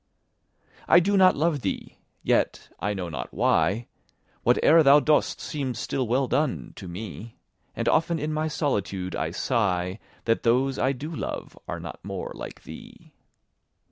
I do not love thee!—yet, I know not why, 5 Whate'er thou dost seems still well done, to me: And often in my solitude I sigh That those I do love are not more like thee!